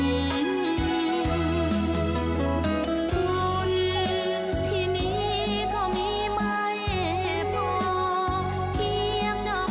คนที่นี่ก็มีไม่พอเพียงดอกยาอาวุธ